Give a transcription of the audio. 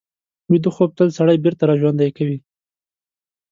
ویده خوب تل سړی بېرته راژوندي کوي